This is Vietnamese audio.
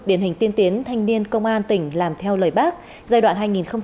điển hình tiên tiến thanh niên công an tỉnh làm theo lời bác giai đoạn hai nghìn một mươi ba hai nghìn hai mươi ba